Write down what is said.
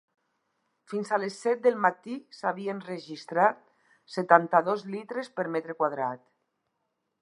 Fins a les set del matí s’havien registrat setanta-dos litres per metre quadrat.